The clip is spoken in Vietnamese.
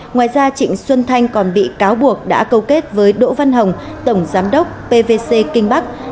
ngoài ra trịnh xuân thanh còn bị cáo buộc đã câu kết với đỗ văn hồng tổng giám đốc pvc kinh bắc